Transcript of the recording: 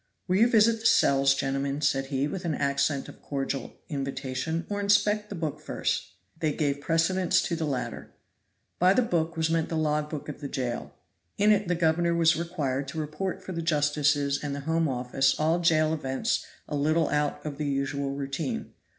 "Will you visit the cells, gentlemen," said he, with an accent of cordial invitation, "or inspect the book first?" They gave precedence to the latter. By the book was meant the log book of the jail. In it the governor was required to report for the justices and the Home Office all jail events a little out of the usual routine.